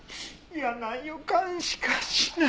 嫌な予感しかしない。